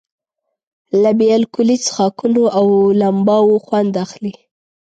له بې الکولي څښاکونو او لمباوو خوند اخلي.